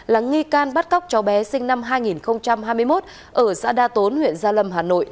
là nghi can bắt cóc cháu bé sinh năm hai nghìn hai mươi một ở xã đa tốn huyện gia lâm hà nội